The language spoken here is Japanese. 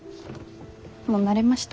もう慣れました？